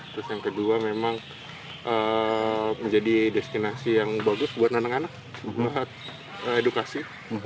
terus yang kedua memang menjadi destinasi yang bagus buat anak anak buat edukasi